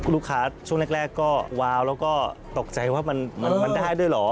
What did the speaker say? ช่วงแรกก็วาวแล้วก็ตกใจว่ามันได้ด้วยเหรอ